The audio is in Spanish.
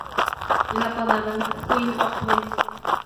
La apodaban "queen of less".